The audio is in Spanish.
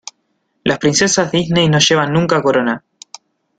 Las princesas Disney no llevan nunca corona.